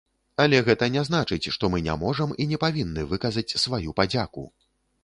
Але гэта не значыць, што мы не можам і не павінны выказаць сваю падзяку.